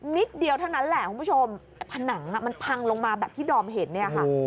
นิดเดียวเท่านั้นแหละคุณผู้ชมไอ้ผนังมันพังลงมาแบบที่ดอมเห็นเนี่ยค่ะ